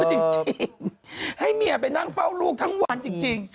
จริงให้เมียไปนั่งเฝ้าลูกทั้งวันจริง